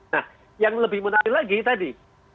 nah yang lebih menarik lagi tadi